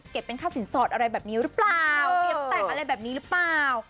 เป็นค่าสินสอดอะไรแบบนี้หรือเปล่าเตรียมแต่งอะไรแบบนี้หรือเปล่า